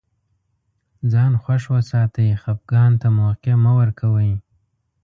ځان خوښ وساتئ خفګان ته موقع مه ورکوی